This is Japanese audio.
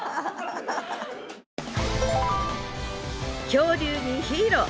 恐竜にヒーロー。